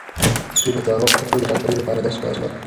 دوی به تر هغه وخته پورې د ډاکټرۍ لپاره درس وايي.